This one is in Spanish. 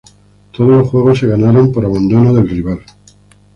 Todos los juegos se ganaron por abandono del rival.